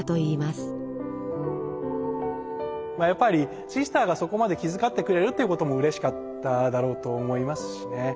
やっぱりシスターがそこまで気遣ってくれるっていうこともうれしかっただろうと思いますしね。